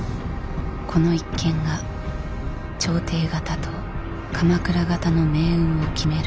この一件が朝廷方と鎌倉方の命運を決める